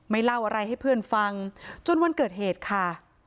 เล่าอะไรให้เพื่อนฟังจนวันเกิดเหตุค่ะ